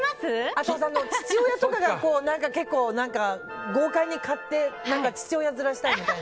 父親とかが結構豪快に買って父親面したいみたいな。